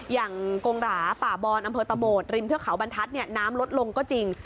กงหราป่าบอนอำเภอตะโดดริมเทือกเขาบรรทัศน์น้ำลดลงก็จริง